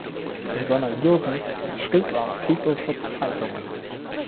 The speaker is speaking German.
In seiner Jugend schrieb er Artikel für Zeitungen.